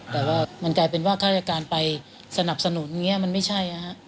แต่ว่ามันกลายเป็นว่าข้าราชการไปสนับสนุนอย่างนี้มันไม่ใช่